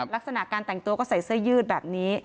ลักษณะการแต่งตัวก็ใส่เสื้อยืดแบบนี้